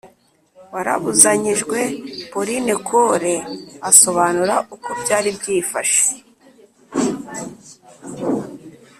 warabuzanyijwe Pauline Cole asobanura uko byari byifashe